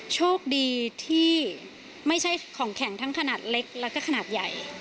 โชคดีที่ไม่ใช่ของแข็งทั้งขนาดเล็กแล้วก็ขนาดใหญ่